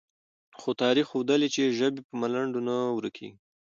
خو تاریخ ښودلې، چې ژبې په ملنډو نه ورکېږي،